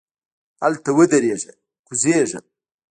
دلته ودریږه! کوزیږم.